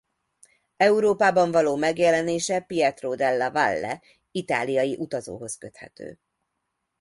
Európában való megjelenése Pietro Della Valle itáliai utazóhoz köthető.